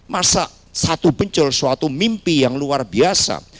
masa satu bencel suatu mimpi yang luar biasa